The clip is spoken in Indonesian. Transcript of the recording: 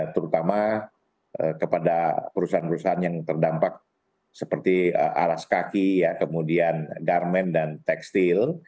terutama kepada perusahaan perusahaan yang terdampak seperti aras kaki kemudian garmen dan tekstil